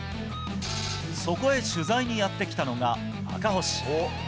そこへ取材にやって来たのが赤星。